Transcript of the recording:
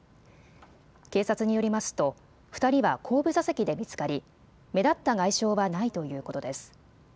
警察によりますと２人は後部座席で見つかり目立った外傷はないということです。